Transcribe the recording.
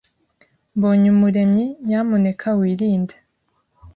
Mbonyumuremyi, nyamuneka wirinde.